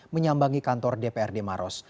menyambangi kantor dprd maros